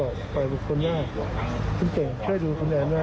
เขาเคยถูกหักเงินเดือนหรือว่าอะไรบ้างไหม